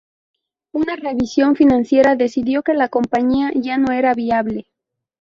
Una revisión financiera decidió que la compañía ya no era viable.